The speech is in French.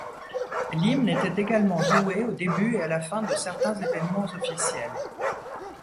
L'hymne était également joué au début et la fin de certains événements officiels.